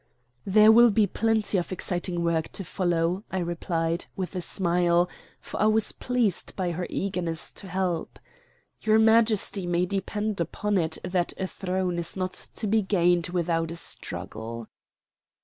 "There will be plenty of exciting work to follow," I replied, with a smile, for I was pleased by her eagerness to help. "Your Majesty may depend upon it that a throne is not to be gained without a struggle."